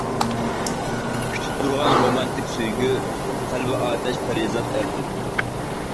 كۈتۈپ تۇرغان رومانتىك سۆيگۈ، قەلبى ئاتەش پەرىزات، ئەردىن.